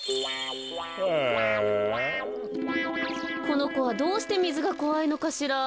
このこはどうしてみずがこわいのかしら？